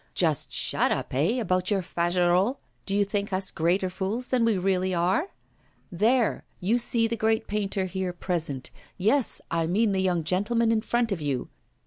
'Just shut up, eh? about your Fagerolles! Do you think us greater fools than we really are? There! you see the great painter here present. Yes; I mean the young gentleman in front of you.